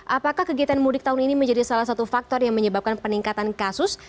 apakah kegiatan mudik tahun ini menjadi salah satu faktor yang menyebabkan peningkatan kasus